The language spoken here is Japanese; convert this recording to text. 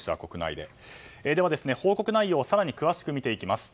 では、報告内容を更に詳しく見ていきます。